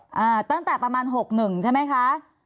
อ่าตั้งแต่ประมาณ๖๑ใช่ไหมคะ